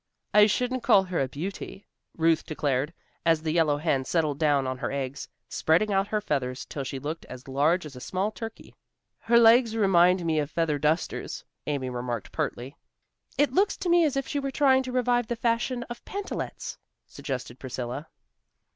"I shouldn't call her a beauty," Ruth declared, as the yellow hen settled down on her eggs, spreading out her feathers till she looked as large as a small turkey. "Her legs remind me of feather dusters," Amy remarked pertly. "It looks to me as if she were trying to revive the fashion of pantalets," suggested Priscilla.